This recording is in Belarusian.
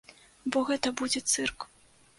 Бо гэта будзе цырк.